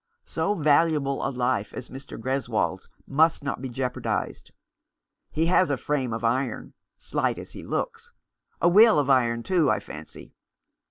So valuable a life as Mr. Greswold's must not be jeopardized. He has a frame of iron — slight as he looks ; a will of iron, too, I fancy.